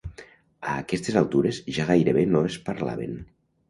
A aquestes altures ja gairebé no es parlaven.